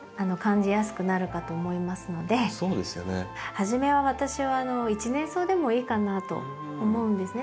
初めは私は一年草でもいいかなと思うんですね。